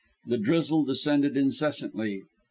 The drizzle descended incessantly.